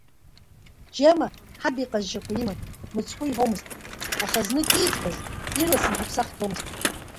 Џьема ҳаб иҟазшьақәа иман, мыцхәы иҳәомызт, аха знык ииӡбаз ирласнгьы иԥсахӡомызт.